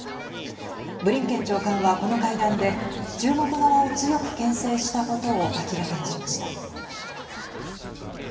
ブリンケン長官はこの会談で中国側を強くけん制したことを明らかにしました。